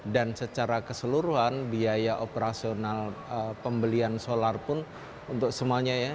dan secara keseluruhan biaya operasional pembelian solar pun untuk semuanya ya